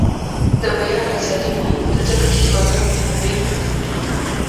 د بیان ازادي مهمه ده ځکه چې ځوانانو ته امید ورکوي.